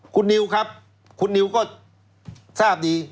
คุณนิวครับคุณนิวก็ทราบดี